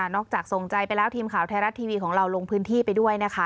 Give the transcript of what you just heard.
จากส่งใจไปแล้วทีมข่าวไทยรัฐทีวีของเราลงพื้นที่ไปด้วยนะคะ